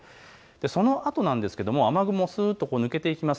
そのあとなんですが、雨雲がすっと抜けていきます。